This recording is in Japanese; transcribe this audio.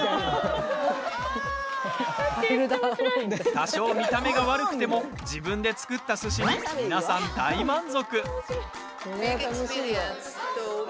多少、見た目が悪くても自分で作ったすしに皆さん大満足。